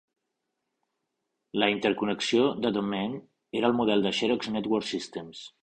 La interconnexió de Domain era el model de Xerox Network Systems.